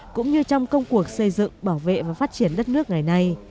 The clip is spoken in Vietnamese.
cũng như trong công cuộc xây dựng bảo vệ và phát triển đất nước ngày nay